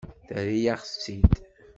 Terra-yaɣ-tt-id.